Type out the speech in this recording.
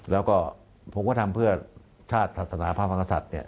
แล้วก็ผมก็ทำเพื่อชาติศาสนาภาพภังกษัตริย์